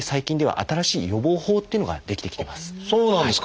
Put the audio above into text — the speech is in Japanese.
あっそうなんですか！